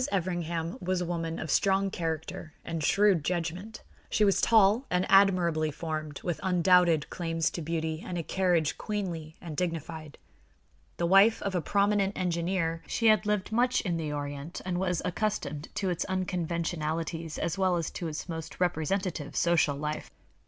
Everingham was a woman of strong character and shrewd judgment. She was tall and admirably formed, with undoubted claims to beauty and a carriage queenly and dignified. The wife of a prominent engineer, she had lived much in the Orient and was accustomed to its unconventionalities as well as to its most representative social life.